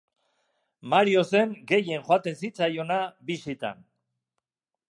Mario zen gehien joaten zitzaiona bisitan.